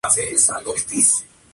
Liga del fútbol alemán.